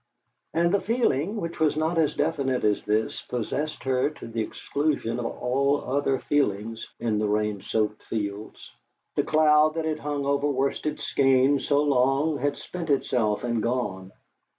And the feeling, which was not as definite as this, possessed her to the exclusion of all other feelings in the rain soaked fields. The cloud that had hung over Worsted Skeynes so long had spent itself and gone.